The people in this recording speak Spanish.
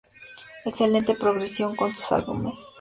Excelente progresión con sus álbumes.